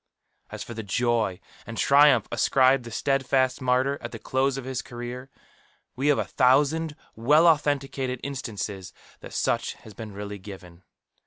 As for the joy and triumph ascribed to the steadfast martyr at the close of his career, we have a thousand well authenticated instances that such has been really given.